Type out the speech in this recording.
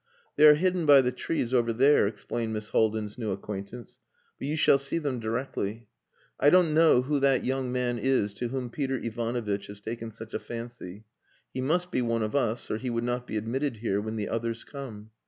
"They are hidden by the trees over there," explained Miss Haldin's new acquaintance, "but you shall see them directly. I don't know who that young man is to whom Peter Ivanovitch has taken such a fancy. He must be one of us, or he would not be admitted here when the others come.